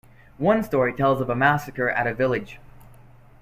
One story tells of a massacre at a village.